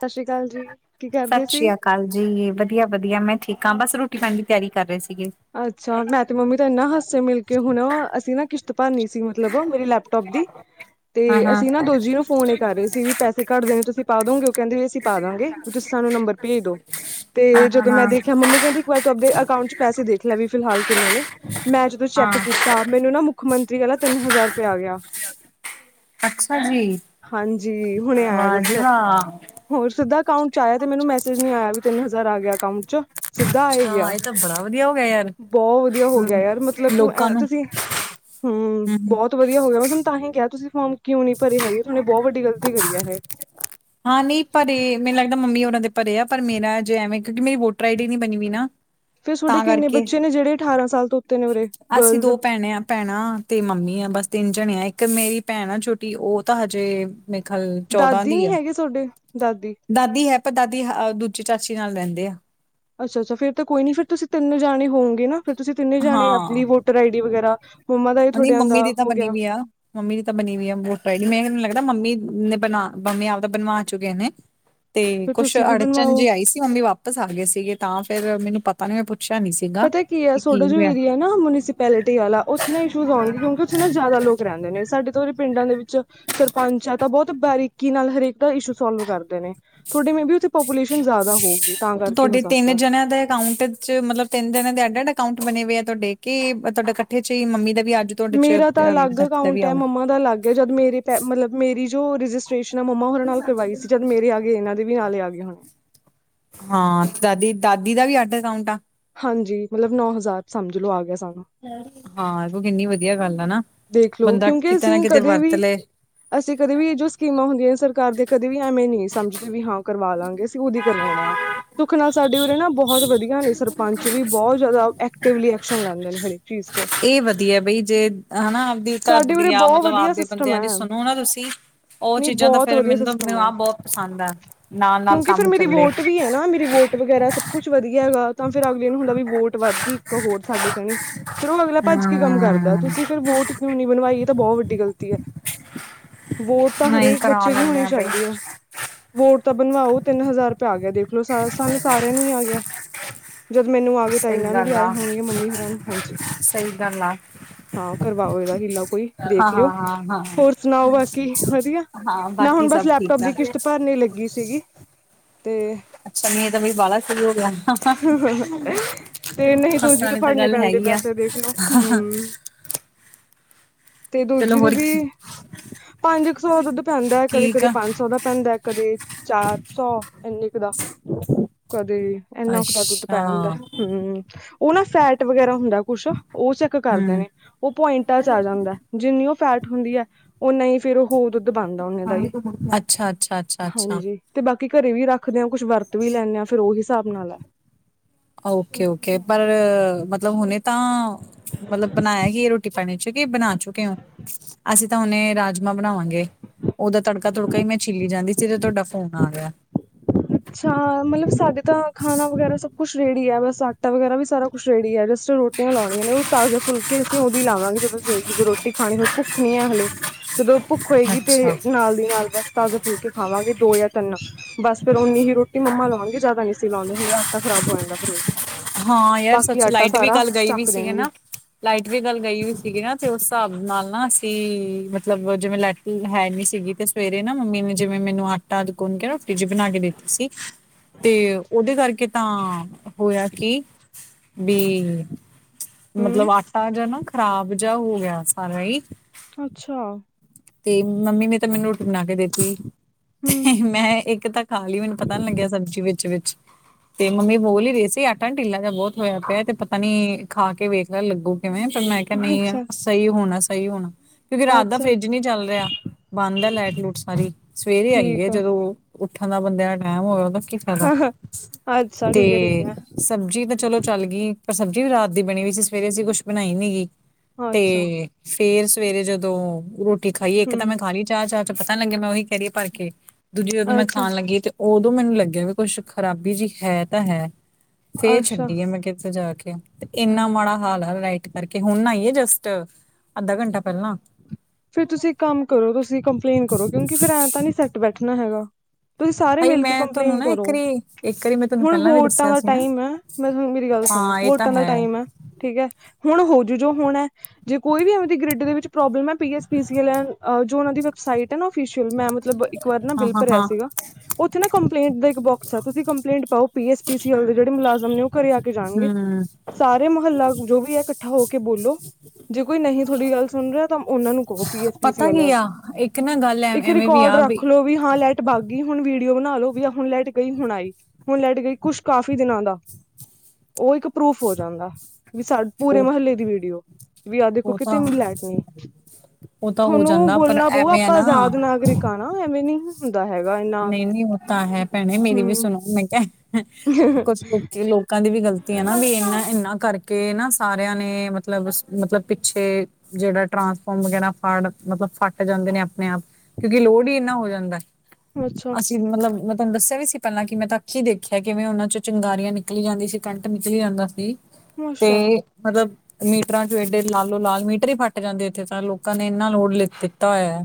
ਸਤਿ ਸ਼੍ਰੀ ਅਕਾਲ ਜੀ ਕੀ ਕਰਦੇ ਸਤਿ ਸੀ ਸ਼੍ਰੀ ਅਕਾ ਹਾਂਜੀ ਵਧੀਆ ਵਧੀਆ ਮੈਂ ਠੀਕ ਹਾਂ ਬਸ ਰੋਟੀ ਖਾਣ ਦੀ ਤਿਆਰੀ ਕਰ ਰਹੇ ਸੀਗੇ ਅੱਛਾ ਮੈਂ ਤੇ ਮੰਮੀ ਤਾਂ ਇੰਨਾ ਹਾਸੇ ਮਿਲ ਕੇ ਹੁਣ ਅਸੀਂ ਨਾ ਕਿਸ਼ਤ ਭਰਨੀ ਸੀ ਮਤਲਬ ਮੇਰੀ ਲੈਪ ਲੈਪਟੋਪ ਦੀ ਹਾਂ ਤੇ ਹਾਂ ਅਸੀਂ ਨਾ ਦੁਜੀ ਨੂੰ ਫੋਨ ਇਹ ਕਰ ਰਹੇ ਸੀ ਵੀ ਪੈਸੇ ਘੱਟ ਦੇਣੇ ਤੁਸੀਂ ਪਾ ਦੋਗੇ ਉਹ ਕਹਿੰਦੇ ਵੀ ਅਸੀਂ ਪਾ ਦਾਂਗੇ ਵੀ ਤੁਸੀਂ ਸਾਨੂੰ ਨੰਬਰ ਭੇਜ ਦੋ ਹਾਂ ਤੇ ਹਾਂ ਜਦੋਂ ਮੈਂ ਹਾਂ ਦੇਖਿਆ ਮੰਮੀ ਕਹਿੰਦੀ ਵਾਰ ਤੁ ਆਪਦੇ ਅਕਾਊਂਟ ਚ ਪੈਸੇ ਦੇਖ ਲਿਆ ਵੀ ਫਿਲਹਾਲ ਕਿੰਨੇ ਨੇ ਮੈਂ ਜਦੋਂ ਹਾਂ ਚੈੱਕ ਕੀਤਾ ਤਾਂ ਮੈਨੂੰ ਨਾ ਮੁੱਖ ਮੰਤਰੀ ਵਾਲਾ ਤਿੰਨ ਹਜ਼ਾਰ ਰੁਪਇਆ ਆ ਗਿਆ ਅੱਛਾ ਜੀ ਹਾਂਜੀ ਹੁਣੇ ਆਇਆ ਵਾਹ ਜਸਟ ਜੀ ਵਾਹ ਹੋਰ ਸਿੱਧਾ ਅਕਾਊਂਟ ਚ ਆਇਆ ਤੇ ਮੈਨੂੰ ਮੈਸੇਜ ਨਹੀਂ ਆਇਆ ਵੀ ਤਿੰਨ ਹਜ਼ਾਰ ਆ ਗਿਆ ਅਕਾਊਂਟ 'ਚ ਸਿੱਧਾ ਆ ਹੀ ਹਾਂ ਗਿਆ ਇਹ ਤਾਂ ਬੜਾ ਵਧੀਆ ਹੋ ਗਿਆ ਯਾਰ ਬਹੁਤ ਵਧੀਆ ਹੋ ਗਿਆ ਹਮ ਯਾਰ ਮਤਲਬ ਤੂੰ ਲੋਕਾਂ ਐ ਨੂੰ ਤੁਸੀਂ ਹਮ ਹਮ ਬਹੁਤ ਵਧੀਆ ਹੋ ਗਿਆ ਮੈਂ ਤੂੰ ਤਾਂ ਹੀ ਕਿਹਾ ਤੁਸੀ ਫੋਮ ਕਿਉਂ ਨਹੀਂ ਭਰੇ ਹੈਗੇ ਤੁਹਾਨੇ ਬਹੁਤ ਵੱਡੀ ਗਲਤੀ ਕਰੀ ਹੈ। ਹਾਂ ਨਹੀਂ ਭਰੇ ਮੈਨੂੰ ਲੱਗਦਾ ਮੰਮੀ ਉਹਨਾਂ ਦੇ ਭਰੇ ਆ ਪਰ ਮੇਰਾ ਅਜੇ ਐਵੇਂ ਕਿਉਂਕਿ ਮੇਰੀ ਵੋਟਰ ਆਈ ਡੀ ਨੀ ਬਣੀ ਨਾ ਫੇਰ ਤੁਹਾਡੇ ਤਾਂ ਕਿੰਨੇ ਕਰਕੇ ਬੱਚੇ ਨੇ ਜਿਹੜੇ ਅਠਾਰਾਂ ਸਾਲ ਤੋਂ ਉੱਤੇ ਨੇ ਉਰੇ ਅਸੀਂ ਗਰਲਸ ਦੋ ਭੈਣੇ ਆ ਭੈਣਾਂ ਤੇ ਮੰਮੀ ਆ ਬਸ ਤਿੰਨ ਜਣੇ ਆ ਇੱਕ ਮੇਰੀ ਭੈਣ ਆ ਛੋਟੀ ਉਹ ਤਾਂ ਹਜੇ ਮੇਖਲ ਦਾਦੀ ਨੀ ਹੈਗੇ ਤੁਹਾਡੇ ਦਾਦੀ ਦਾਦੀ ਹੈ ਪਰ ਦਾਦੀ ਹ ਦੂਜੇ ਚਾਚੀ ਨਾਲ ਰਹਿੰਦੇ ਆ। ਅੱਛਾ-ਅੱਛ ਫਿਰ ਕੋਈ ਨ ਫਿਰ ਤੁਸੀ ਤਿੰਨੇ ਜਾਣੇ ਹੋਗੇ ਨਾ ਫਿਰ ਤੁਸੀ ਤਿੰਨੇ ਜਾਣੇ ਹਾਂ, ਆਪਣੀ ਵੋਟਰ ਆਈ ਡੀ ਵਗੈਰਾ ਮੰਮਾ ਦਾ ਹੀ ਨਹੀਂ ਤੁਹਾਡਿਆਂ ਮੰਮੀ ਦਾ ਦੀ ਤਾਂ ਹੋ ਬਣੀ ਗਿਆ ਵੀ ਆ। ਮੰਮੀ ਦੀ ਤਾਂ ਬਣੀ ਹੋਈ ਹੈ ਵੋਟਰ ਆਈਡੀ ਦੀ ਮੈਨੂੰ ਲੱਗਦਾ ਮੰਮੀ ਨੇ ਬਣਾ ਮੰਮੀ ਆਪਦਾ ਬਣਵਾ ਚੁੱਕੇ ਨੇ- [inaudible] ਤੇ ਕੁਛ ਤੁਸੀਂ ਵੀ ਅੜਚਨ ਬਣਵਾਓ ਜੇ ਆਈ ਸੀ ਮੰਮੀ ਵਾਪਸ ਆ ਗਏ ਸੀਗੇ ਤਾਂ ਫੇਰ ਮੈਨੂੰ ਪਤਾ ਨੀ ਮੈ ਪੁੱਛ- ਪੁੱਛਿਆ ਨਹੀਂ ਸੀਗਾ ਪਤਾ ਹੈ ਸੋਡਾ ਕੀ ਜੋ ਹੋਇਆ। ਏਰੀਆ ਨਾ ਮੁਨਸਪੈਲਿਟੀ ਵਾਲਾ- ਉਥੇ ਨਾ ਇਸ਼ੂ ਆਉਣਗੇ ਕਿਉਕਿ ਉਥੇ ਨਾ ਜਿਆਦਾ ਲੋਕ ਰਹਿਦੇ ਨੇ ਸਾਡੇ ਤੋ ਦੇ ਪਿੰਡਾਂ ਦੇ ਵਿਚ- ਸਰਪੰਚ ਆ ਤਾਂ ਬਹੁਤ ਬਾਰੀਕੀ ਨਾਲ ਹਰੇਕ ਦਾ ਇਸ਼ੂ ਸੋਲਵ ਕਰਦੇ ਨੇ- ਤੁਹਾਡੇ ਮੇਬੀ ਉਥੇ ਪਾਪੂਲੇਸ਼ਨ ਜ਼ਿਆਦਾ ਹੋ ਗਈ ਤਾਂ ਕਰਕੇ ਹੋ ਸਕਦਾ ਨਾਂ ਦੇ ਅਕਾਊਂਟ ਚ ਮਤਲਬ ਤਿੰਨ ਦਿਨਾਂ ਦੇ ਐੱਡ ਐੱਡ ਅਕਾਊਂਟ ਬਣੇ ਹੋਏ ਆ ਤੁਹਾਡੇ ਕਿ ਤੁਹਾਡੇ ਇਕੱਠੇ ਚ ਹੀ ਮੰਮੀ ਦਾ ਵੀ ਅੱਜ ਤੁਹਾਡੇ ਚ ਮੇਰਾ ਤਾਂ ਅਹ, ਅਲੱਗ ਦਾਦੀ ਦਾ ਵੀ ਅਕਾਊਂਟ ਹੈ ਆਊ। ਮੰਮਾ ਦਾ ਅਲੱਗ ਜਦ ਮੇਰੇ ਪੈ ਮਤਲਬ ਮੇਰੀ ਜੋ ਰਜਿਸਟ੍ਰੇਸ਼ਨ ਆ ਮੰਮਾ ਹੋਰਾਂ ਨਾਲ ਕਰਵਾਈ ਸੀ ਜਦ ਮੇਰੇ ਆ ਗਏ ਇਹਨਾਂ ਦੇ ਵੀ ਨਾਲੇ ਆ ਗਏ ਹੁਣ ਹਾਂ ਤੇ ਦਾਦੀ-ਦਾਦੀ ਦਾ ਵੀ ਅੱਡ ਅਕਾਊਂਟ ਆ ਹਾਂਜੀ ਮਤਲਬ ਨੌ ਹਜ਼ਾਰ ਸਮਝ ਲਓ ਆ ਗਿਆ ਸਾਰਾ ਹਾਂ ਇਹੋ ਕਿੰਨੀ ਵਧੀਆ ਗੱਲ ਆ ਨਾ ਦੇਖਲੋ ਬੰਦਾ ਕਿਉਂਕਿ ਕਿਤੇ ਅਸੀਂ ਨਾ ਕਿਤੇ ਕਦੇ ਵਰਤ ਵੀ ਲਏ ਅਸੀਂ ਕਦੇ ਵੀ ਇਹ ਜੋ ਸਕੀਮਾਂ ਹੁੰਦੀਆਂ ਸਰਕਾਰ ਦੇ ਕਦੇ ਵੀ ਐਵੇਂ ਨਹੀਂ ਸਮਝਦੇ ਵੀ ਹਾਂ ਕਰਵਾ ਲਾਂਗੇ ਅਸੀਂ ਦੀ ਕਰਵਾਉਣੇ ਆ ਦੁੱਖ ਨਾਲ ਸਾਡੇ ਉਰੇ ਨਾ ਬਹੁਤ ਵਧੀਆ ਨੇ ਸਰਪੰਚ ਵੀ ਬਹੁਤ ਜ਼ਿਆਦਾ ਐਕਟਿਵਲੀ ਐਕਸ਼ਨ ਲੈਂਦੇ ਨੇ ਹਰੇ ਕੇ ਚੀਜ਼ ਤੇ ਇਹ ਵਧੀਆ ਬਈ ਜੇ ਹਨਾ ਆਪਦੀ ਘਰ ਸਾਡੇ ਉਰੇ ਦੀਆਂ ਬਹੁਤ ਮਤਲਬ ਵਧੀਆ ਆਪਦੇ ਸਿਸਟਮ ਬੰਦਿਆਂ ਹੈ ਦੀ ਸੁਣੋ ਨਾ ਤੁਸੀਂ ਉਹ ਨਹੀਂ ਚੀਜ਼ਾਂ ਤਾਂ ਬਹੁਤ ਫੇਰ ਵਧੀਆ ਮੈਨੂੰ ਮੈਨ ਸਿਸਟਮ ਆ ਆਹ ਬਹੁਤ ਪਸੰਦ ਆ ਨਾਲ-ਨਾਲ ਕੰਮ ਚੱਲੇ ਤ ਵਗੈਰਾ ਸਭ ਕੁਛ ਵਧੀਆ ਹੈਗਾ ਤਾਂ ਫਿਰ ਅਗਲੇ ਨੂੰ ਹੁੰਦਾ ਵੀ ਵੋਟ ਵੱਧ ਗਈ ਇੱਕ ਹੋਰ ਸਾਡੇ ਕਣੀ ਫੇਰ ਉਹ ਅਗਲਾ ਭੱਜ ਕੇ ਕੰਮ ਕਰਦਾ ਹਮ ਤੁਸੀਂ ਫਿਰ ਵੋਟ ਕਿਉ ਨੀ ਬਨਵਾਈ? ਏ ਤਾਂ ਬੋਅ ਵਡੀ ਗਲਤੀ ਐ। ਵੋਟ ਤਾਂ ਨਹੀਂ ਹਰੇਕ ਕਰਾ ਬੱਚੇ ਦੀ ਲੈਂਦੇ ਹੋਣੀ ਆ ਬਈ ਚਾਹੀਦੀ ਐ। ਵੋਟ ਤਾਂ ਬਣਵਾਓ, ਤਿੰਨ ਹਜ਼ਾਰ ਰੁਪੈ ਆ ਗੈ ਦੇਖਲੋ, ਸਾ ਸਾਨੂੰ ਸਾਰੇ ਨੂੰ ਈ ਆ ਗਿਆ। ਜਦ ਮੈਨੂੰ ਆ ਗੇ, ਤਾਂ ਇਹਨਾਂ ਸਹੀ ਨੂੰ ਵੀ ਆਏ ਹੋਣਗੇ, ਮੰਮੀ ਹੋਰਾਂ ਨੂੰ, ਹਾਂਜੀ। ਸੲੀ ਗੱਲ ਆ। ਹਾਂ, ਕਰਵਾਓ ਏਦਾ ਹੀਲਾ। ਕੋਈ ਹਾਂ ਦੇਖ ਲਿਓ, ਹਾਂ ਹਾਂ ਹਾਂ ਹੋਰ ਸੁਣਾਓ ਬਾਕੀ, ਵਧੀਆ? ਹਾਂ ਮੈ ਬਾਕੀ ਹੁਣ ਬਸ ਸਭ ਲੈਪਟੋਪ ਠੀਕ ਆ ਦੀ ਕਿਸ ਤ ਭਰਨੇ ਲੱਗੀ ਸੀਗੀ, ਤੇ ਅਛਾ, ਨੀ ਏਤਾਂ ਬਈ ਬਾਲਾ ਸਹੀ ਓ ਗਿਆ, ਹਾਸਾ ਆਲੀ ਤਾਂ ਗੱਲ ਹੈਗੀ ਐ। ਤੇ ਵੇਖਲੋ, ਹੂੰ। ਤੇ ਚਲੋ ਦੂਜੀ ਹੋਰ ਦੇਵੀ ਪੰਜ ਕ ਸੌ ਦ ਦੁੱਧ ਪੈਂਦੈ, ਠੀਕ ਕਦੇ-ਕਦੇ ਆ ਪੰਜ ਸੌ ਦਾ ਪੈਂਦੈ। ਕਦੀ ਚਾਰ ਸੌ, ਏਨੇ ਕ ਦਾ, ਕਦੇ ਏਨਾ ਕ ਤਾ ਦੁੱਧ ਅੱਛਾ ਪੈਂਦੈ, ਹੁੰ, ਓ ਨਾ ਫੈਟ ਵਗੈਰਾ ਹੁੰਦੈ ਕੁਛ, ਓਸ ਕ ਕਰਦੇ ਹੂੰ ਨੇ, ਓ ਪੁਆਇੰਟਾਂ 'ਚ ਆ ਜਾਦੈ, ਜਿੰਨੀ ਓ ਫੈਟ ਹੁੰਦੀ ਐ, ਓਨਾ ਈ ਫੇਰ ਓ ਹੋਰ ਦੁੱਧ ਪਾਂਦਾ ਓਨੇ ਦਾ ਈ, ਹਾਂਜੀ ਤੋਂ ਮੁੜ ਕੇ ਅੱਛਾ ਅੱਛਾ ਅੱਛਾ ਅੱਛਾ ਹਾਂਜੀ। ਤੇ ਬਾਕੀ, ਘਰੇ ਵੀ ਰੱਖਦੇ ਆ, ਕੁਸ਼ ਵਰਤ ਵੀ ਲੈਨੇ ਆ, ਫਿਰ ਓ ਹਿਸਾਬ ਨਾਲ ਐ। ਓਕੇ-ਓਕੇ, ਪਰ ਮਤਲਬ ਹੁਨੇ ਤਾਂ ਮਲਬ, ਬਨਾਇਆ ਕੀ ਏ ਰੋਟੀ ਪਾਣੀ 'ਚ? ਕਿ ਬਨਾ ਚੁਕੇ ਓ। ਅਸੀ ਤਾਂ ਹੁਨੇ ਰਾਜਮਾਂ ਬਣਾਵਾਗੇ। ਓਦਾ ਤੜਕਾ-ਤੁੜਕਾ ਈ ਮੈ ਛਿਲੀ ਜਾਦੀ ਸੀ, ਤੇ ਤੁਹਾਡਾ ਫੋਨ ਆ ਗਿਆ। ਅਛਾ, ਮਲਬ ਸਾਡੇ ਤਾਂ ਖਾਣਾ ਵਗੈਰਾ ਸਭ ਕੁਸ਼ ਰੇਡੀ ਐ, ਬਸ ਆਟਾ ਵਗੈਰਾ ਵੀ ਸਾਰਾ ਕੁਸ਼ ਰੇਡੀ ਐ। ਜਸਟ ਰੋ ਟੀਆਂ ਲਾਉਣੀਆਂ ਨੇ, ਓ ਤਾਜੇ ਫੁੱਲਕੇ ਅਸੀ ਓਦੀ ਲਾਵਾਂਗੇ, ਜਦੋ ਜੇ ਰੋਟੀ ਖਾਣੀ ਹੁਈ ਭੁੱਖ ਨੀ ਆ ਹਲੇ, ਜਦੋ ਭੁੱਖ ਹੋਏਗੀ ਤੇ ਅੱਛਾ ਨਾਲ ਦੀ ਨਾਲ ਬਸ ਤਾਜੇ ਫੁਲਕੇ ਖਾਵਾਂਗੇ ਦੋ ਯਾ ਤਿੰਨ ਬਸ। ਫੇਰ ਓਨੀ ਹੀ ਰੋਟੀ ਮੰਮਾ ਲੋਣਗੇ ਜਾਦਾ ਨੀਂ ਅਸੀ ਲੋਂਦੇ ਹੁੰਦੇ, ਆਟਾ ਖਰਾਬ ਹੋ ਯਾਂਦਾ ਫੇਰ ਓ ਹਾਂ ਯਾਰ, ਸੱਚ ਲਾਈਟ ਵੀ ਕਲ ਗਈ ਵੀ ਚੱਕ ਸੀਗੀ ਦੇਣਗੇ ਨਾ। ਲਾਈਟ ਵੀ ਕਲ ਗਈ ਓਈ ਸੀਗੀ ਨਾ, ਤੇ ਉਸ ਹਿਸਾਬ ਨਾਲ ਨਾ ਅਸੀ, ਮਤਲਬ ਜਿਵੇ ਲੈਟ ਹੈ ਨੀ ਸੀਗੀ, ਤੇ ਸਵੇਰੇ ਨਾ ਮੰਮੀ ਨੇ ਜਿਵੇਂ ਮੈਨੂੰ ਆਟਾ ਗੁਨਕੇ ਨਾ, ਫਿਜ ਬਨਾ ਕੇ ਦੇਤੀ ਸੀ। ਤੇ, ਓਡੇ ਕਰਕੇ ਤਾਂ ਹੋਇਆ ਕੀ, ਵੀ ਹੂੰ ਮਤਲਬ ਆਟਾ ਜੇਆ ਨਾ, ਖ਼ਰਾਬ ਜੇਆ ਹੋ ਗਿਆ ਸਾਰਾ ਈ। ਅੱਛਾ। ਤੇ ਮੰਮੀ ਨੇ ਤਾਂ ਮੈਨੂੰ [unintelligible] ਈ ਬਣਾ ਕੇ ਦੇਤੀ, ਹੂੰ ਤੇ ਮੈਂ ਇੱਕ ਤਾਂ ਖਾ ਲੀ ਮੈਨੂੰ ਪਤਾ ਨੀ ਲੱਗਿਆ ਸਬਜ਼ੀ ਵਿੱਚ ਵਿਚ। ਤੇ ਮੰਮੀ ਬੋਲ ਹੀ ਰੲੇ ਸੀ, ਆਟਾ ਨ ਢਿੱਲਾ ਜੇਆ ਬੋਤ ਹੋਇਆ ਪਿਐ, ਤੇ ਪਤਾ ਨੀ ਖਾ ਕੇ ਵੇਖ ਲ ਲੱਗੂ ਕਿਵੇ, ਪਰ ਮੈ ਕਿਐ ਨਈ ਐ, ਅੱਛਾ ਸੲੀ ਹੋਣੈ-ਸਹੀ ਹੋਣੈ, ਕਿਉਕਿ ਰਾਤ ਦਾ ਅੱਛਾ ਫਰਿ ਜ ਨੀ ਚੱਲ ਰਿਹਾ, ਬੰਦ ਐ ਲੈਟ-ਲੂਟ ਸਾਰੀ, ਸਵੇਰੇ ਆਈ ਐ, ਠੀਕ ਆ ਜਦੋ ਉੱਠਣ ਦਾ ਬੰਦੇ ਆ ਟੈਮ ਹੋਵ, ਓਦਾ ਕੀ ਫਾਇਦਾ, ਅੱਛਾ ਠੀਕ ਹੈ ਠੀਕ ਤੇ ਹੈ ਸਬਜ਼ੀ ਤੇ ਚਲੋ ਚੱਲ ਗੀ, ਪਰ ਸਬਜ਼ੀ ਵੀ ਰਾਤ ਦੀ ਬਣੀ ਹੋਈ ਸੀ, ਸਵੇਰੇ ਅਸੀ ਕੁਸ਼ ਬਣਾਈ ਨੀ ਗੀ। ਅੱਛਾ ਤੇ, ਫੇਰ ਸਵੇਰੇ ਜਦੋ ਰੋਟੀ ਖਾਈ, ਇਕ ਹੂੰ ਤਾਂ ਮੈ ਖਾਲੀ ਚਾ- ਚਾ 'ਚ ਪਤਾ ਨੀ ਲੱਗੇ, ਮੈ ਓਈ ਕੈਅ ਰੀ ਭਰ ਕੇ, ਦੂਜੀ ਜਦੋ ਮੈ ਅੱਛਾ ਖਾਣ ਲੱਗੀ ਤੇ ਓਦੋ ਮੈਨੂੰ ਲੱਗਿਐ ਵੀ ਕੁਸ਼ ਖਰਾਬੀ ਜੀ ਹੈ ਤਾਂ ਹੈ। ਫੇਰ ਅੱਛਾ ਛਡੀ ਐ ਮੈ ਕਿਥ ਜਾ ਕੇ ਤ ਏਨਾ ਮਾੜਾ ਹਾਲ ਐ ਲਾਈਟ ਕਰਕੇ, ਹੁਣ ਆਈਏ ਜਸਟ, ਅੱਧਾ ਘੰਟਾ ਪੈਲਾਂ। ਫੇਰ ਤੁਸੀ ਇ ਕਮ ਕਰੋ, ਤੁਸੀਂ ਕੰਪਲੇਨ ਕਰੋ, ਕਿਉਕਿ ਫਿਰ ਐਂ ਤਾਂ ਨੀਂ ਸੈਟ ਬੈਠਣਾ ਹੈਗਾ। ਤੁਹੀਂ ਸਾਰੇ ਹਾਏ ਮਿਲ ਕੇ ਮੈਂ ਤੁਹਾਨੂੰ ਕੰਪਲੇਨ ਨਾ ਕਰੋ, ਇੱਕ ਵਾਰੀ ਇੱਕ ਵਾਰੀ ਮੈਂ ਤੁਹਾਨੂੰ ਹੁਣ ਪਹਿਲਾਂ ਵੀ ਵੋਟਾਂ ਦੱਸਿਆ ਦਾ ਸੀ ਨਾ ਟਾਈਮ ਐ। ਮੈਂ ਤੁ ਮੇਰੀ ਗੱਲ ਸੁਣੋ, ਹਾਂ ਇਹ ਤਾਂ ਵੋਟਾ ਦਾ ਹੈ ਟਾਈਮ ਐ। ਠੀਕ ਐ, ਹੁਣ ਹੋਜੂ ਜੋ ਹੋਣੈ, ਜੇ ਕੋਈ ਵੀ ਐਵਦੀ ਗਰਿਡ ਦੇ ਵਿੱਚ ਪ੍ਰੋਬਲਮ ਐ ਪੀ ਐਸ ਪੀ ਸੀ ਐਲ ਐ, ਅ ਜੋ ਓਨਾਂ ਦੀ ਵੈਬਸਾਈਟ ਐ ਨਾ ਓਫੀਸ਼ਅਲ, ਮੈਂ ਮਤਲਬ ਇੱਕ ਵਾਰ ਨਾ ਹਾਂ ਬਿਲ ਹਾਂ ਭਰਿਆ ਹਾਂ ਸੀਗਾ ਓਥੇ ਨਾ ਕੰਪਲੇਂਟ ਦਾ ਇੱਕ ਬੋਕਸ ਆ, ਤੁਸੀਂ ਕੰਪਲੇਂਟ ਪਾਓ ਪੀ ਐਸ ਪੀ ਸੀ ਐਲ ਦੇ ਜਿਹੜੇ ਮੁਲਾਜ਼ਮ ਨੇ ਓ ਘਰੇ ਆ ਜਾਨਗੇ ਹੂੰ ਸਾਰੇ ਮੋਹਲਾ ਜੋ ਵੀ ਹੈ ਕੱਠਾ ਹੋਕੇ ਬੋਲੋ, ਜੇ ਕੋਈ ਨਹੀਂ ਥੋਡੀ ਗਾੱਲ ਸੁਨ ਰੇਆ ਤਾਂ ਓਨਾਂ ਨੂੰ ਕਹੋ ਪੀ ਐਸ ਪੀ ਸੀ ਪਤਾ ਕੀ ਆਲੇ, ਆ ਇੱਕ ਨਾ ਗੱਲ ਐ ਇੱਕ ਐਵੇਂ ਵੀ ਰਿਕੋਡ ਆ ਰਾੱਖ ਲੋ। ਵੀ ਹਾਂ ਲੈਟ ਬਾਗੀ ਹੁਨ ਵੀਡੀਓ ਬਨਾਲੋ ਵੀ ਹੁਨ ਲੈਟ ਗਈ ਹੁਨ ਆਈ। ਹੁਨ ਲੈਟ ਗਈ ਕੁਛ ਕਾਫੀ ਦਿਨਾਂ ਦਾ, ਓ ਇੱਕ ਪਰੂਫ ਹੋ ਜਾਂਦਾ, ਵੀ ਸਾ ਪੂਰੇ ਉਹ ਮਹੱਲੇ ਦੀ ਵੀਡੀਓ, ਵੀ ਆ ਦੇਖੋ ਉਹ ਕਿਤੇ ਤਾਂ ਬਲੈਟ ਨੀ। ਉਹ ਤਾਂ ਹੋ ਥੋਨੂੰ ਜਾਂਦਾ ਪਰ ਬੋਲਨਾ ਪਊ ਐਵੇਂ ਆ ਆਪਾਂ ਨਾ ਆਜ਼ਾਦ ਨਾਗਰਿਕ ਆ ਨਾ ਐਵੇਂ ਨੀ ਹੁੰਦਾ ਹੈਗਾ ਇੰਨਾ ਨਈ-ਨਈ ਓ ਤਾ ਹੈ ਪੈਣੇ ਮੇਰੀ ਵੀ ਹੂੰ ਸੁਣੋ ਮੈਂ ਕੇਆ ਕੁੱਛ ਲੁਚੇ ਲੋਕ ਲੋਕਾਂ ਦੀ ਵੀ ਗ਼ਲਤੀ ਏ ਨਾ ਬਈ ਏਨਾ-ਏਨਾ ਕਰਕੇ ਨਾ ਸਾਰੇਆਂ ਨੇ ਮਤਲਬ, ਮਤਲਬ ਪਿੱਛੇ ਜੇੜਾ ਟਰਾਂਸਫੋਮ ਵਗੈਰਾ ਫੜ ਮਤਲਬ ਫਟ ਜਾਂਦੇ ਨੇ ਆਪਨੇ ਆਪ ਕਯੋਂਕਿ ਲੋੜ ਈ ਏਨਾ ਹੋ ਜਾਂਦਾ। ਅੱਛਾ ਅਸੀ ਮਤਲਬ ਮੈਂ ਤੋਆਨੂੰ ਦੱਸੇਆ ਵੀ ਸੀ। ਪੈਂਲਾਂ ਕਿ ਮੈਂ ਤਾਂ ਅੱਚੀ ਦੇਖਿਆ ਕਿਵੇਂ ਓਨਾਂ ਚੋ ਚਿੰਗਾਰੀਆਂ ਨਿਕਲੀ ਯਾਂਦੀ ਸੀ, ਕੰਟ ਨਿਕਲੀ ਯਾਂਦਾ ਸੀ। ਤੇ ਅੱਛਾ ਮਤਲਬ ਮੀਟਰਾਂ ਚ ਏਡੇ ਲਾਲੋ ਲਾਲ ਮੀਟਰ ਈ ਫਾੱਟ ਜਾਂਦੇ ਇੱਥੇ ਤਾਂ ਲੋਕਾਂ ਨੇ ਇੰਨਾ ਲੋੜ ਲ ਦਿੱਤਾ ਹੋਏਆ।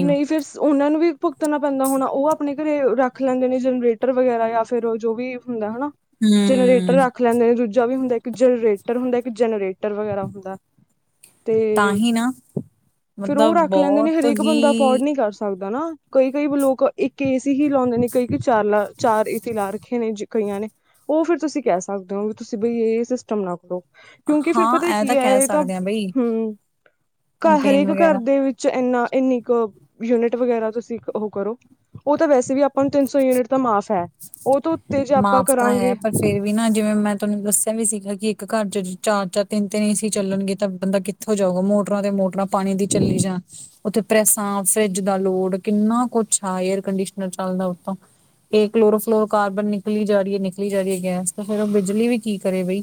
ਨਈ ਫੇਰ ਓਨਾਂ ਨੂੰ ਵੀ ਭੁਗਤਨਾ ਪੈਂਦਾ ਹੋਣਾ ਓ ਆਪਣੇ ਘਰੇ ਰਾ ਰੱਖ ਲੈਂਦੇ ਨੇ ਜਨਰੇਟਰ ਵਗੈਰਾ ਯਾਂ, ਫੇਰ ਜੋ ਵੀ ਹੁੰਦਾ ਹਨਾ ਜਨਰੇਟਰ ਹੂੰ ਰਾੱਖ ਰੱਖ ਲੈਂਦੇ ਨੇ ਦੂਜਾ ਵੀ ਹੁੰਦਾ ਇੱਕ ਜਨਰੇਟਰ ਹੁੰਦਾ, ਇੱਕ ਜਨਰੇਟਰ ਵਗੈਰਾ ਹੁੰਦਾ। ਤਾਂ ਤੇ, ਹੀ ਨਾ ਫੇਰ ਓ ਮਤਲਬ ਰਾੱਖ ਲੈਂਦੇ ਨੇ ਬਹੁਤ ਹਰੇਕ ਹੀ ਬੰਦਾ ਅਫੋਡ ਨੀ ਕਰ ਸਕਦਾ ਨਾ ਕਈ-ਕਈ ਲੋਕ ਇੱਕ ਏਸੀ ਹੀ ਲਾਓਦੇ ਨੇ, ਕਈ-ਕਈ ਚਾਰ ਲਾ ਚਾਰ ਏਸੀ ਲਾ ਰੱਖੇ ਨੇ ਜ ਕਈਆਂ ਨੇ, ਓ ਫੇਰ ਤੁਸੀ ਕੈ ਸਕਦੇ ਓ ਵੀ ਤੁਸੀ ਬਈ ਏ ਸਿਸਟਮ ਨਾ ਕਰੋ। ਕਯੋਂਕਿ ਫਿਰ ਪਤਾ ਹਾਂ ਇਹ ਕੀ ਐ ਕਹਿ ਏ ਤਾਂ ਸਕਦੇ ਹਾਂ ਬਈ ਹੂੰ, ਘਾੱਰ ਕੰਪਲੇਨ ਹਰੇਕ ਘਾੱਰ ਵਗੈਰਾ ਦੇ ਵਿੱਚ ਚ ਐਨਾ ਇੰਨੀ ਕ ਯੂਨਿਟ ਵਗੈਰਾ ਤੁਸੀ ਓ ਕਰੋ। ਓ ਤਾ ਵੈਸੇ ਵੀ ਆਪਾ ਨੂੰ ਤਿੰਨ ਸੌ ਯੂਨਿਟ ਤਾ ਮਾਫ਼ ਐ, ਓਤੋ ਉਤੇ ਜੇ ਆਪਾਂ ਮਾਫ਼ ਤਾਂ ਕਰਾਂਗੇ ਹੈ ਪਰ ਫਿਰ ਵੀ ਨਾ ਜਿਵੇਂ ਮੈਂ ਤੋਨੂੰ ਦੱਸੇਆ ਵੀ ਸੀਗਾ ਕਿ ਇੱਕ ਘਾੱਰ ਚ ਚਾਰ-ਚਾਰ, ਤਿੰਨ-ਤਿੰਨ ਏਸੀ ਚੱਲਨਗੇ ਤਾ ਬੰਦਾ ਕਿ ਹੋ ਜਾਊ ਮੋਟਰਾਂ ਤੇ ਮੋਟਰਾਂ ਪਾਨੀ ਦੀ ਚੱਲੀ ਜਾਨ ਓਥੇ ਪ੍ਰੈਸਾਂ, ਫਰੇਜ ਦਾ ਲੋੜ, ਕਿੰਨਾ ਕੋਛ ਆ ਏਰ ਕੰਡੀਸ਼ਨਰ ਚਲਦਾ ਓਤੋਂ ਏ ਕਲੋਰੋਫਲੋਰ ਕਾਰਬਨ ਨੇ ਨਿਕਲੀ ਜਾਰੀ ਏ ਨਿਕਲੀ ਜਾਰੀ ਏ ਗੈਸ ਤੇ ਫੇਰ ਓ ਬਿਜਲੀ ਵੀ ਕੀ ਕਰੇ ਬਈ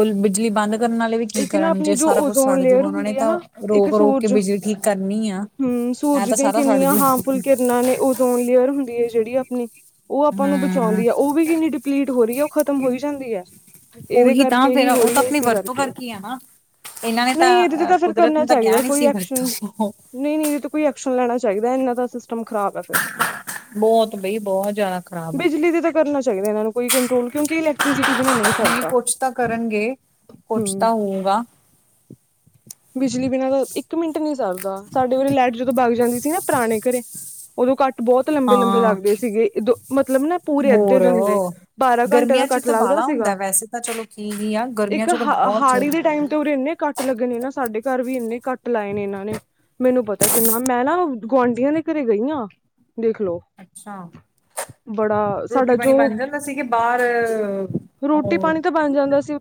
ਓ ਬਿਜਲੀ ਬਾੰਦ ਕਰਨ ਆਲੇ ਵੀ ਕੀ ਇੱਕ ਨਾ ਕਰਨ ਜੇ ਆਪਣੀ ਜੋ ਸਾਰਾ ਕੁੱਛ ਓਜ਼ੋਨ ਸੜ ਜੂਗਾ ਲੇਅਰ ਓਨਾਂ ਨੇ ਹੁੰਦੀ ਹੈ ਤਾ ਨਾ ਇੱਕ ਰੋਕ-ਰੋਕ ਕੇ ਸੂਰਜ ਬਿਜਲੀ ਠੀਕ ਕਰਨੀ ਆ। ਹੂੰ, ਐਂ ਸੂਰਜ ਤਾਂ ਦੀਆਂ ਸਾਰਾ ਸੜ ਕਿੰਨੀਆਂ ਜੂ ਹਾਮਫੁੱਲ ਕਿਰਨਾ ਨੇ ਉ ਜ਼ੋਨ ਲੇਅਰ ਹੁੰਦੀ ਏ ਜੇੜੀ ਆਪਣੀ, ਓ ਆਪਾ ਨੂੰ ਹੂੰ ਬਚੋਂਦੀ ਐ ਓ ਵੀ ਕਿੰਨੀ ਡਿਪਲੀਟ ਹੋਰੀ ਐ। ਖਤਮ ਹੋਈ ਜਾਂਦੀ ਐ, ਏਦੇ ਉਹੀ ਤਾਂ ਕਰਕੇ ਹੀ ਫੇਰ ਉਹ ਹੋਰੀ ਤਾਂ ਐ। ਆਪਣੀ ਇਸੀ ਵਰਤੋਂ ਕਾਰਕੇ, ਕਰਕੇ ਆ ਨਾ। ਇਹਨਾਂ ਨੇ ਨਈ ਏਦੇ ਤੇ ਤਾਂ ਤਾ ਫੇਰ ਕੁਦਰਤ ਕਰਨਾ ਨੇ ਤਾਂ ਕਿਹਾ ਚਾਈਦਾ ਨੀ ਕੋਈ ਸੀ ਐਕਸ਼ਨ ਵਰਤੋਂ। ਨਈ-ਨਈ ਏਦੇ ਤੇ ਕੋਈ ਐਕਸ਼ਨ ਲੈਣਾ ਚਾਈਦਾ ਏਨਾ ਦਾ ਸਿਸਟਮ ਖਰਾਬ ਐ ਫਿਰ, ਬਹੁਤ ਬਈ ਬਹੁਤ ਜ਼ਿਆਦਾ ਖ਼ਰਾਬ ਆ ਬਿਜਲੀ ਦੀ ਤਾ ਕਰਨਾ ਚਾਈਦਾ ਏਨਾ ਨੂੰ ਕੋਈ ਕੰਟਰੋਲ ਕਯੋਂਕਿ ਇਲੇਕਟ੍ਰੀਸੀਟੀ ਬਿਨਾ ਨਈ ਸਾਰਦਾ। ਤਾ ਕਰਨਗੇ, ਕੋਛ ਤਾ ਹੋਊਗਾ। ਬਿਜਲੀ ਬਿਨਾ ਦਾ ਇੱਕ ਮਿੰਟ ਨੀ ਸਾਰਦਾ, ਸਾਡੇ ਉਰੇ ਲੈਟ ਜਦੋ ਬਾਗ ਜਾਂਦੀ ਸੀ ਨਾ ਪਰਾਣੇ ਘਰੇ ਓਦੋ ਕਾੱਟ ਬੋਤ ਲੰਬੇ-ਲੰਬੇ ਹਾਂ ਲਾੱਗਦੇ ਸੀਗੇ, ਇਦੋ ਮਤਲਬ ਨਾ ਪੂਰੇ ਅੱਧੇ ਹੋਰ ਦੇਨ ਦੇ। ਬਾਰਾਂ ਘੰਟੇ ਦਾ ਗਰਮੀਆਂ ਚ ਕਾੱਟ ਤਾਂ ਲਾੱਗਦਾ ਬਾਲਾ ਹੁੰਦਾ ਸੀਗਾ। ਵੈਸੇ ਚਲੋ [unintelligible] ਆ। ਗਰਮੀਆਂ ਇੱਕ ਚ ਤਾਂ ਹਾ ਬਹੁਤ ਹਾੜੀ ਦੇ ਟਾਈਮ ਤੇ ਜ਼ਰੂਰੀ ਉਰੇ ਇੰਨੇ ਕਾੱਟ ਲੱਗਣੇ ਨਾ ਸਾਡੇ ਘਰ ਵੀ ਇੰਨੇ ਕਾੱਟ ਲਾਏ ਨੇ ਏਨਾ ਨੇ। ਮੈਨੂੰ ਪਤਾ ਕਿੰਨਾ ਮੈਂ ਨਾ ਗੁਆਂਢੀਆਂ ਦੇ ਘਰੇ ਗਈ ਆਂ, ਦੇਖਲੋ ਅੱਛਾ। ਬੜਾ ਰੋਟੀ ਸਾਡਾ ਪਾਣੀ ਜੋ ਬਨ ਜਾਂਦਾ ਸੀਗੇ ਬਾਰ, ਓ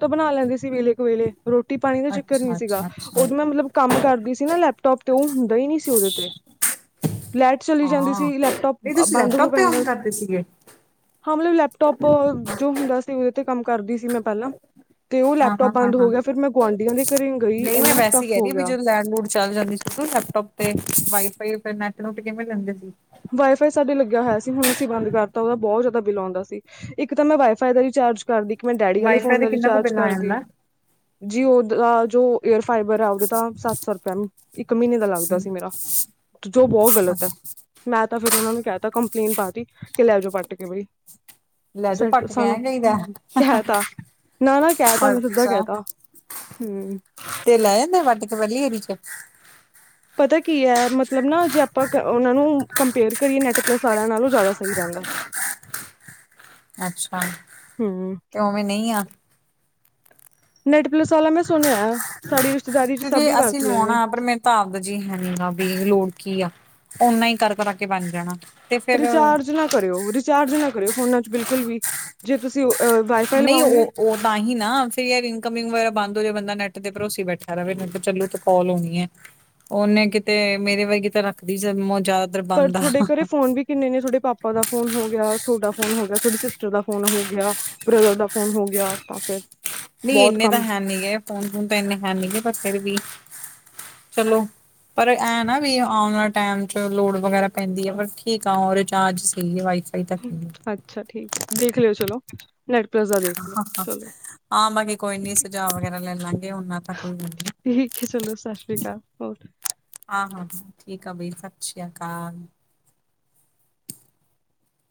ਬਨਾ ਲੈਂਦੀ ਸੀ ਵੇਲੇ ਕੁ ਵੇਲੇ ਰੋਟੀ ਪਾਣੀ ਦਾ ਚੱਕਰ ਨੀ ਅੱਛਾ ਸੀਗਾ ਅੱਛਾ ਅੱਛਾ ਓਦੋਂ ਮਤਲਬ ਕਾੰਮ ਕਰਦੀ ਸੀ ਨਾ ਲੈਪਟੋਪ ਤੇ ਓ ਹੁੰਦਾ ਈ ਨੀ ਸੀ ਓਦੇ ਤੇ। ਲੈਟ ਚਲੀ ਜਾਂਦੀ ਹਾਂ ਸੀ ਲੈਪਟੋਪ ਨਹੀਂ ਤੁਸੀਂ ਬਾੰਦ ਹੋ ਲੈਪਟੋਪ ਤੇ ਪੈਂਦਾ ਕੰਮ ਸੀ। ਕਰਦੇ ਸੀਗੇ ਹਾਂ ਮਤਲਬ ਲੈਪਟੋਪ ਜੋ ਹੁੰਦਾ ਸੀ ਓਦੇ ਤੇ ਕਾੰਮ ਕਰਦੀ ਸੀ ਮੈਂ ਪੈਲਾਂ। ਹਾਂ ਹਾਂ ਹਾਂ ਹਾਂ, ਗੁਆਂਢੀਆਂ ਦੇ ਘਰੇ ਗਈ ਨਹੀਂ ਨਾ ਇੰਨਾ ਵੈਸੇ ਹੀ ਟਫ ਹੋ ਕਦੀ ਵੀ ਗਿਆ ਜਦੋਂ ਲੈਡ ਲੋੋਡ ਚੱਲ ਜਾਂਦੀ ਸੀ ਲੈਪਟੋਪ ਤੇ, ਵਾਈਫਾਈ ਤੇ ਨੈਟ ਨੂੱਟ ਕਿਵੇਂ ਲੈਂਦੇ ਸੀ। ਵਾਈਫਾਈ ਸਾਡੇ ਲੱਗਿਆ ਹੋਇਆ ਸੀ ਹੁਣ ਅਸੀਂ ਬੰਦ ਕਰਤਾ ਉਹਦਾ ਬਹੁਤ ਜ਼ਿਆਦਾ ਬਿੱਲ ਆਉਂਦਾ ਸੀ। ਇੱਕ ਤਾਂ ਮੈਂ ਵਾਈਫਾਈ ਦਾ ਰਿਚਾਰਜ ਕਰਦੀ, ਇੱਕ ਮੈਂ ਡੈਡੀ ਵਾਲੇ ਵਾਈਫਾਈ ਫੋਨ ਤੇ ਦਾ ਕਿੰਨਾ ਕੁ ਰਿਚਾਰਜ ਬਿੱਲ ਆ ਕਰਦੀ। ਜਾਂਦਾ ਜੀਓ ਦਾ ਜੋ ਏਅਰ ਫਾਈਬਰ ਹੈ ਉਹਦੇ ਤਾਂ ਸੱਤ ਸੌ ਰੁਪਈਆ ਮਹੀਨਾ! ਇੱਕ ਮਹੀਨੇ ਦਾ ਲੱਗਦਾ ਸੀ ਮੇਰਾ, ਜੋ ਬਹੁਤ ਗ਼ਲਤ ਹੈ। ਮੈਂ ਤਾਂ ਫਿਰ ਉਹਨਾਂ ਨੂੰ ਕਹਿਤਾ ਕੰਪਲੇਂਨ ਪਾਤੀ, ਕਿ ਲੈ ਜਾਓ ਪੱਟ ਕੇ ਬਈ। ਲੈ ਜਾਓ ਪੱਟ ਕੇ ਸਾਨੂੰ ਐ ਕਹੀਦਾ ਕਹਿ ਤਾ, ਨਾ ਨਾ ਕਹਿਤਾ ਮੈਂ ਸਿੱਧਾ ਅੱਛਾ ਕਹਿਤਾ। ਹਮ। ਤੇ ਲੈ ਮੈਂ ਵੱਟ ਕੇ ਪਹਿਲੀ ਵਾਰੀ 'ਚ। ਪਤਾ ਕੀ ਹੈ ਮਤਲਬ ਨਾ ਜੇ ਆਪਾਂ ਉਹਨਾਂ ਨੂੰ ਕੰਪੇਅਰ ਕਰੀਏ ਨੈਟ ਪਲਸਿਆਂ ਨਾਲੋਂ ਜ਼ਿਆਦਾ ਸਹੀ ਰਹਿੰਦਾ ਹੈ। ਹਮ। ਅੱਛਾ, ਹੂੰ। ਤੇ ਉਵੇਂ ਨਹੀਂ ਆ ਨੈਟਪਲਸ ਵਾਲਾ ਮੈਂ ਸੁਣਿਆ, ਸਾਡੀ ਰਿਸ਼ਤੇਦਾਰੀ 'ਚ ਸਭ ਹੀ ਵਰਤਦੇ ਨੇ। ਤਾਬਦ ਜੀ ਹੈਨੀ ਆ ਵੀ ਲੋੜ ਕੀ ਆ, ਓਨਾ ਹੀ ਕਰ ਕਰਾਕੇ ਬਣ ਜਾਣਾ। ਤੇ ਫੇਰ ਰਿਚਾਰਜ ਨਾ ਕਰਿਓ, ਰਿਚਾਰਜ ਨਾ ਕਰਿਓ ਫੋਨਾ 'ਚ ਬਿਲਕੁਲ ਵੀ ਜੇ ਤੁਸੀਂ ਵਾਈਫਾਈ ਨਹੀਂ ਲਵਾਓਗੇ ਉਹ ਉਹ ਤਾਂ ਹੀ ਨਾ, ਫਿਰ ਯਾਰ ਇਨਕਮਿੰਗ ਵਗੈਰਾ ਬੰਦ ਹੋ ਜਾਵੇ ਬਦਾ ਨੈਟ ਤੇ ਭਰੋਸੀ ਬੈਠਾ ਰਹੇ ਚਲੋ ਕਾਲ ਹੋਣੀ ਹੈ। ਉਹਨੇ ਕਿਤੇ ਮੇਰੇ ਵਰਗੀ ਕਿਤੇ ਰੱਖਦੀ ਸੀ ਜ਼ਿਆਦਾਤਰ ਬੰਦ ਆ। ਕਿੰਨੇੇ ਤੁਹਾਡੇ ਪਾਪਾ ਦਾ ਫੋਨ ਹੋ ਗਿਆ, ਤੁਹਾਡਾ ਫੋਨ ਹੋ ਗਿਆ, ਤੁਹਾਡੀ ਸਿਸਟਰ ਦਾ ਫੋਨ ਹੋ ਗਿਆ। ਬ੍ਰਦਰ ਦਾ ਫੋਨ ਹੋ ਗਿਆ, ਤਾਂ ਫਿਰ। ਨਹੀਂ ਬਹੁਤ ਇੰਨੇ ਤਾਂ ਕੰਮ ਹੈ ਨੀ ਗਏ, ਫੋਨ ਫੋਨ ਤਾਂ ਇੰਨੇ ਹੈ ਨੀਗੇ ਪਰ ਫੇਿਰ ਵੀ ਚਲੋ। ਪਰ ਇਹ ਨਾ ਵੀ ਆਉਣ ਵਾਲੇ ਟਾਈਮ 'ਚ ਲੋੜ ਵਗੈਰਾ ਪੈਂਦੀ ਹੈ ਪਰ ਠੀਕ ਆ ਉਹ ਰਿਚਾਰਜ ਸੀ ਵਾਈ ਅੱਛਾ, ਠੀਕ ਹੈ ਦੇਖ ਲਿਓ ਚਲੋ। ਨੈਟ ਪਲੱਸ ਦਾ ਦੇਖ ਲਿਓ ਚਲੋ ਹਾਂ ਬਾਕੀ ਕੋਈ ਨੀ ਠੀਕ ਹੈ ਸੁਝਾਅ ਵਗੈਰਾ ਲੈ ਲਾਂਗੇ ਨਾ ਤਾਂ ਕੋਈ ਠੀਕ ਹੈ ਚਲੋ, ਸਤਿ ਸ਼੍ਰੀ ਅਕਾਲ ਹੋਰ ਹਾਂ ਹਾਂ ਠੀਕ ਆ ਬਾਈ, ਸਤਿ ਸ਼੍ਰੀ ਅਕਾਲ।